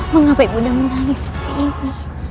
mengapa ibu nangis seperti ini